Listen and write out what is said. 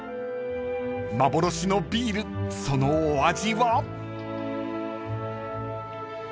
［幻のビールそのお味は？］